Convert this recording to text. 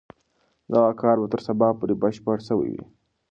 دغه کار به تر سبا پورې بشپړ سوی وي.